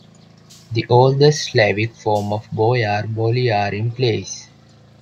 The oldest Slavic form of "boyar"-"bolyarin", pl.